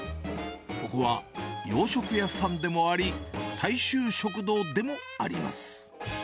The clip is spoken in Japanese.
ここは洋食屋さんでもあり、大衆食堂でもあります。